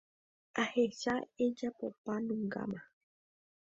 Ahecha ejapopanungáma.